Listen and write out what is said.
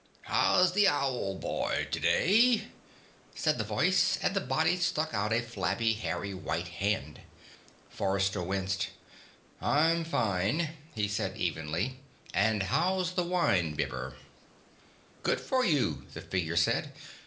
"How's the Owl boy today?" said the voice, and the body stuck out a flabby, hairy white hand. Forrester winced. "I'm fine," he said evenly. "And how's the winebibber?" "Good for you," the figure said.